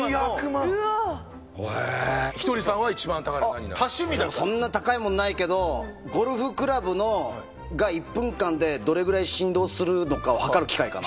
俺でもそんな高いもんないけどゴルフクラブが１分間でどれぐらい振動するのかを測る機械かな。